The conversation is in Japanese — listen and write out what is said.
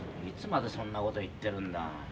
いつまでそんな事言ってるんだ。